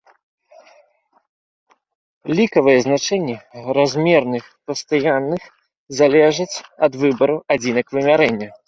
Лікавыя значэнні размерных пастаянных залежаць ад выбару адзінак вымярэння.